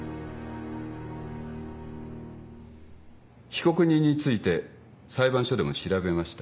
被告人について裁判所でも調べました。